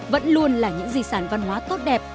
vẫn luôn là những di sản văn hóa tốt đẹp